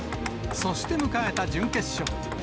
そして迎えた準決勝。